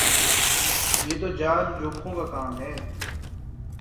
یہ تو جان جوکھوں کا کام ہے